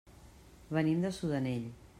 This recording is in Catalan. Venim de Sudanell.